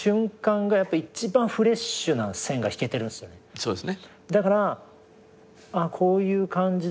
そうですね。